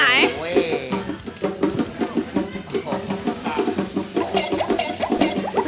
อุ๊ยอะไรก็ดีใจมันกินไปแล้ว